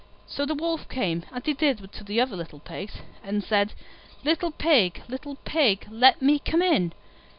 So the Wolf came, as he did to the other little Pigs, and said, "Little Pig, little Pig, let me come in."